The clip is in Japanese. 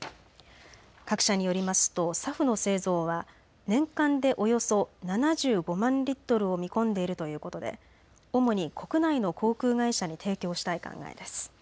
各社によりますとＳＡＦの製造は年間でおよそ７５万リットルを見込んでいるということで主に国内の航空会社に提供したい考えです。